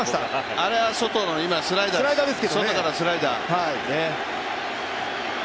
あれは外からのスライダーです。